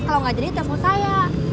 kalo enggak jadi telepon saya